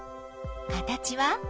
形は？